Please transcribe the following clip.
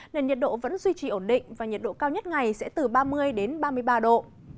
nên nhiệt độ vẫn duy trì ổn định và nhiệt độ cao nhất ngày sẽ từ ba mươi đến ba mươi ba độ